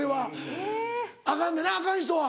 アカンねなアカン人は。